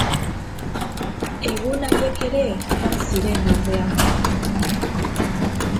Egun haiek ere joan ziren, ordea.